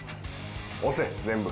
押せ全部。